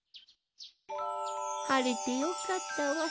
はれてよかったわい。